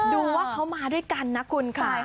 ดูว่าเขามาด้วยกันนะคุณค่ะ